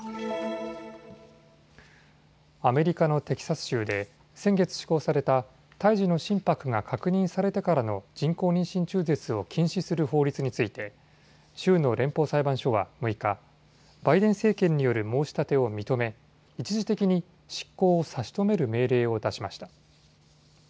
アメリカのテキサス州で先月施行された胎児の心拍が確認されてからの人工妊娠中絶を禁止する法律について州の連邦裁判所は６日、バイデン政権による申し立てを認め一時的に執行を差し止める命令を出しました。